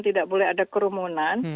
tidak boleh ada kerumunan